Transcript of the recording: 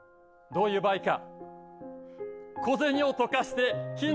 どういう場合か。